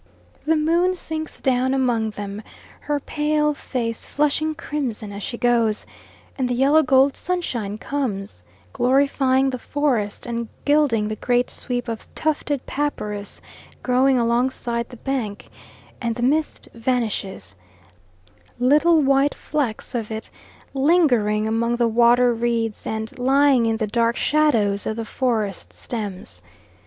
The moon sinks down among them, her pale face flushing crimson as she goes; and the yellow gold sunshine comes, glorifying the forest and gilding the great sweep of tufted papyrus growing alongside the bank; and the mist vanishes, little white flecks of it lingering among the water reeds and lying in the dark shadows of the forest stems.